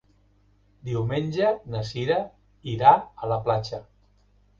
Diumenge na Sira irà a la platja.